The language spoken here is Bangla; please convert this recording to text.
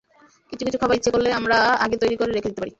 কিছু কিছু খাবার ইচ্ছে করলেই আমরা আগে তৈরি করে রেখে দিতে পারি।